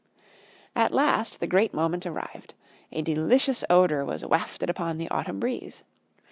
At last the great moment arrived. A delicious odor was wafted upon the autumn breeze.